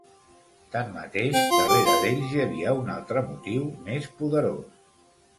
Tanmateix, darrere d'ells hi havia un altre motiu més poderós.